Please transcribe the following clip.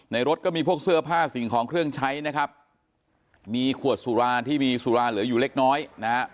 รถก็มีพวกเสื้อผ้าสิ่งของเครื่องใช้นะครับมีขวดสุราที่มีสุราเหลืออยู่เล็กน้อยนะฮะ